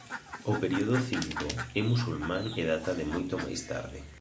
O período V é musulmán e data de moito máis tarde.